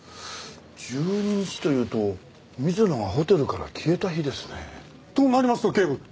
１２日というと水野がホテルから消えた日ですね。となりますと警部。